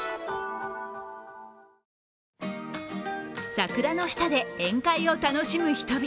桜の下で宴会を楽しむ人々。